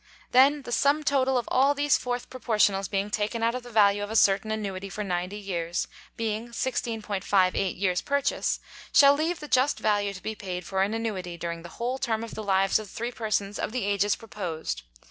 Then the Sum Total of all these Fourth Proportionals being taken out of the Value of a certain Annuity for 90 Years, being 16,58 Years Purchase, shall leave the just Value to be paid for an Annuity during the whole Term of the Lives of Three Persons of the Ages proposed.